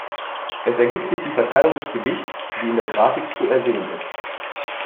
Es ergibt sich die Verteilung des Gewichts, wie in der Grafik zu ersehen ist.